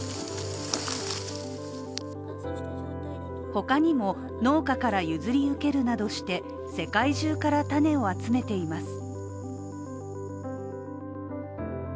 他にも、農家から譲り受けるなどして世界中から種を集めています。